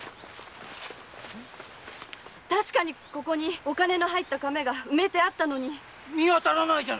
確かにここにお金の入った瓶が埋めてあったのに⁉見当たらない！